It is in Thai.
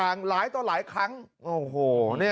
กะลาวบอกว่าก่อนเกิดเหตุ